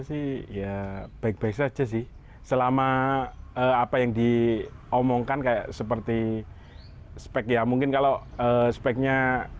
sih ya baik baik saja sih selama apa yang diomongkan kayak seperti spek ya mungkin kalau speknya